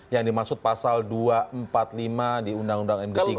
yang dimaksud pasal dua ratus empat puluh lima di undang undang md tiga